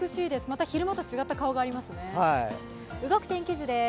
また昼間と違った顔がありますね、動く天気図です。